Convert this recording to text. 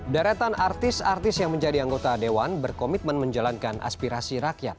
deretan artis artis yang menjadi anggota dewan berkomitmen menjalankan aspirasi rakyat